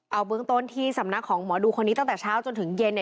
เอาเบื้องต้นที่สำนักของหมอดูคนนี้ตั้งแต่เช้าจนถึงเย็นเนี่ย